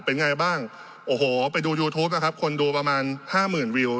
เป็นไงบ้างโอ้โหไปดูยูทูปนะครับคนดูประมาณห้าหมื่นวิว